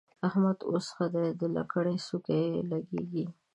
احمد اوس ښه دی؛ د لکړې څوکه يې لګېږي.